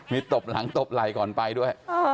มีตบหลังตบไหล่ก่อนไปด้วย